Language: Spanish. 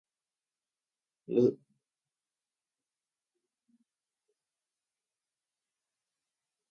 Las organizaciones ecologistas y ambientales calificaron el texto de "decepcionante" o de "fracaso colosal".